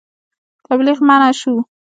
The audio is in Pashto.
تبلیغ منع شو.